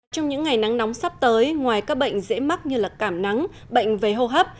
trong những ngày nắng nóng sắp tới ngoài các bệnh dễ mắc như là cảm nắng bệnh về hô hấp